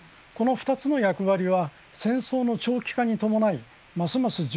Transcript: この２つの役割は戦争の長期化に伴いますます